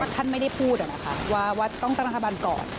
ท่านไม่ได้พูดว่าต้องตั้งรัฐบาลก่อน